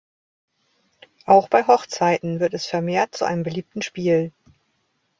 Auch bei Hochzeiten wird es vermehrt zu einem beliebten Spiel.